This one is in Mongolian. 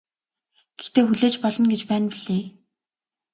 Гэхдээ хүлээж болно гэж байна билээ.